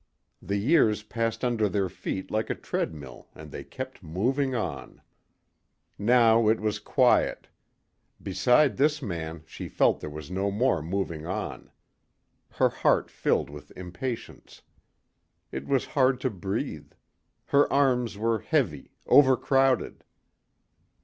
The years passed under their feet like a treadmill and they kept moving on. Now it was quiet. Beside this man she felt there was no more moving on. Her heart filled with impatience. It was hard to breathe. Her arms were heavy, overcrowded.